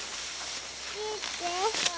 見て。